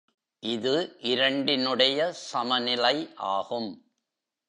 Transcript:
இது இரண்டினுடைய சமநிலை ஆகும்.